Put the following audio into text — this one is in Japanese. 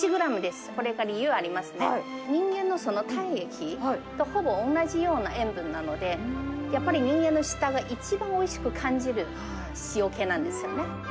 これからゆありますね、人間の体液とほぼ同じような塩分なので、やっぱり人間の舌が一番おいしく感じる塩気なんですよね。